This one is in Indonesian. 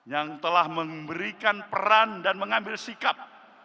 yang telah memberikan peran dan mengambil sikap